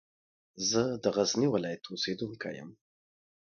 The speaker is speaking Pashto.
زه د غزني ولایت اوسېدونکی یم.